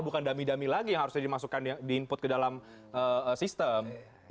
bukan dami dami lagi yang harusnya dimasukkan di input ke dalam sistem